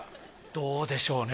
どうでしょうね？